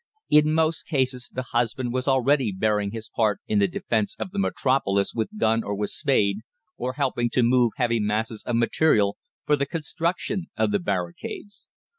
In most cases the husband was already bearing his part in the defence of the Metropolis with gun or with spade, or helping to move heavy masses of material for the construction of the barricades.